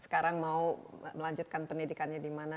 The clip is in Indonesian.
sekarang mau melanjutkan pendidikannya di mana